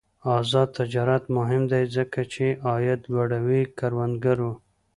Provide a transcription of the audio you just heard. آزاد تجارت مهم دی ځکه چې عاید لوړوي کروندګرو.